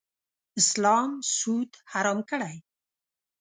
اسلام سود حرام کړی.